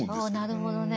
なるほどね。